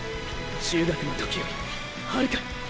中学の時よりはるかに。